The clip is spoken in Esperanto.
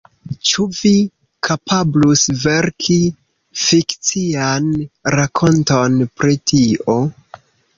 Ĉu vi kapablus verki fikcian rakonton pri tio?